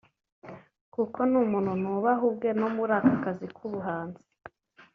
kuko ni umuntu nubaha ubwe no muri aka kazi k’ubuhanzi